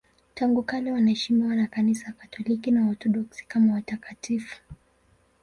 Tangu kale wanaheshimiwa na Kanisa Katoliki na Waorthodoksi kama watakatifu.